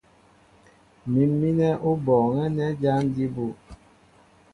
Mǐm mínɛ́ ó bɔɔŋɛ́ nɛ́ jǎn jí bú.